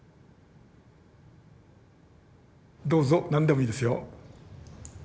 どうぞ何でもいいですよ。